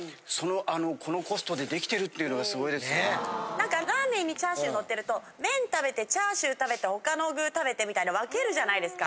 なんかラーメンにチャーシューのってると麺食べてチャーシュー食べて他の具食べてみたいな分けるじゃないですか。